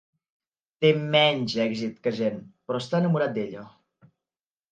Té menys èxit que Jen, però està enamorat d'ella.